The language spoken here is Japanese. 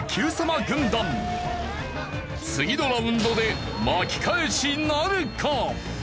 次のラウンドで巻き返しなるか？